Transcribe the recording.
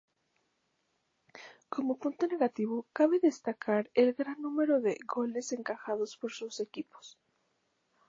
Como punto negativo cabe destacar el gran número de goles encajado por sus equipos.